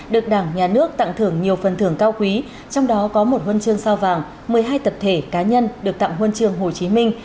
được đảng nhà nước tặng thưởng nhiều phần thưởng cao quý trong đó có một huân chương sao vàng một mươi hai tập thể cá nhân được tặng huân trường hồ chí minh